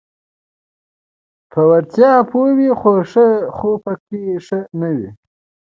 په وړتیا پوه وي خو پکې ښه نه وي: